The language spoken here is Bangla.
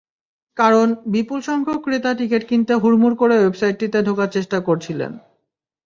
কারণ, বিপুলসংখ্যক ক্রেতা টিকিট কিনতে হুড়মুড় করে ওয়েবসাইটটিতে ঢোকার চেষ্টা করছিলেন।